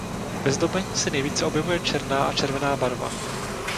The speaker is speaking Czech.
Ve zdobení se nejvíce objevuje černá a červená barva.